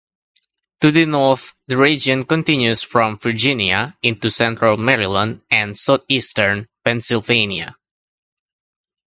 To the north, the region continues from Virginia into central Maryland and southeastern Pennsylvania.